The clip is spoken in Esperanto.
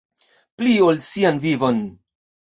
Pli ol sian vivon.